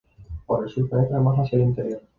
Por el sur penetra más hacia el interior.